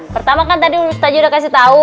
pertama kan tadi mustaja udah kasih tau